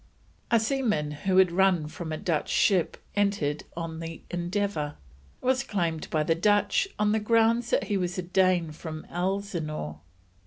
A seaman who had run from a Dutch ship entered on the Endeavour, was claimed by the Dutch on the grounds that he was a Dane from Elsinore.